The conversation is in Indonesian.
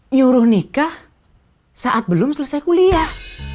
nyuruh nikah saat belum selesai kuliah